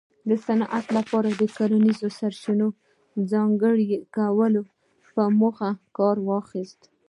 د صنعت لپاره د کرنیزو سرچینو د ځانګړي کولو په موخه کار واخیست